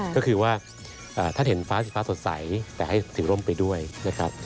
ก็คือว่าท่านเห็นฟ้าสีฟ้าสดใสแต่ให้สีร่มไปด้วยนะครับ